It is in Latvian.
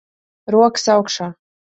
Rokas augšā.